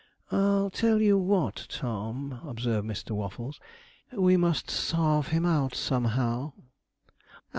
'I tell you what, Tom,' observed Mr. Waffles, 'we must sarve him out, somehow.'